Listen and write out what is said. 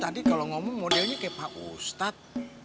tadi kalau ngomong modelnya kayak pak ustadz